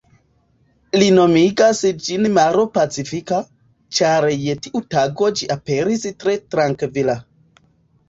Li nomigas ĝin maro pacifika, ĉar je tiu tago ĝi aperis tre trankvila.